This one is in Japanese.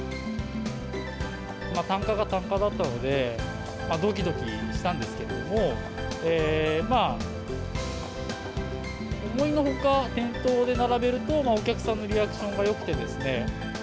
単価が単価だったので、どきどきしたんですけども、思いのほか、店頭で並べると、お客さんのリアクションがよくてですね。